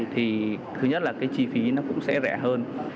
thì thứ nhất là cái chi phí nó cũng sẽ rẻ hơn